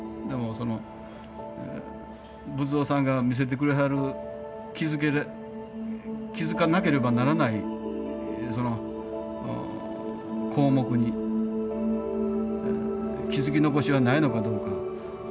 でもその仏像さんが見せてくれはる気付かなければならないその項目に気付き残しはないのかどうか。